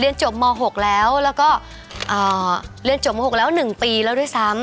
เรียนจบม๖แล้วเรียนจบม๖แล้ว๑ปีแล้วด้วยซ้ำ